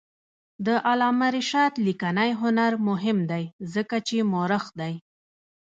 د علامه رشاد لیکنی هنر مهم دی ځکه چې مؤرخ دی.